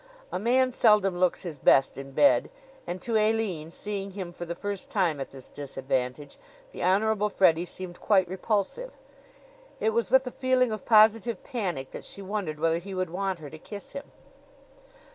A man seldom looks his best in bed, and to Aline, seeing him for the first time at this disadvantage, the Honorable Freddie seemed quite repulsive. It was with a feeling of positive panic that she wondered whether he would want her to kiss him.